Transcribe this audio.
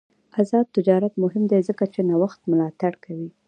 آزاد تجارت مهم دی ځکه چې نوښت ملاتړ کوي.